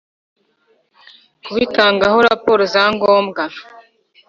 kubitangaho raporo za ngombwa